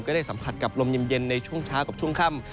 ได้สัมผัสกับลมเย็นในช่วงเช้ากับช่วงค่ำ